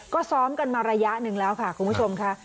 ก็ซ้อมกันมาระยะหนึ่งแล้วค่ะคุณผู้ชมค่ะ